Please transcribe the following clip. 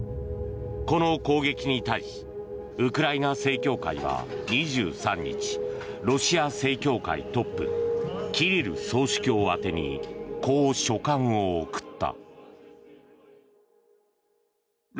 この攻撃に対しウクライナ正教会は２３日ロシア正教会トップキリル総主教宛てにこう書簡を送った。